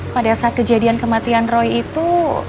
pada saat kejadian kematian roy itu